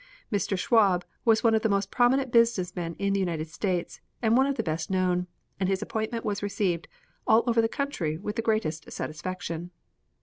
Mr. Schwab was one of the most prominent business men in the United States and one of the best known, and his appointment was received all over the country with the greatest satisfaction.